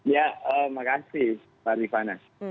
ya makasih pak rifanas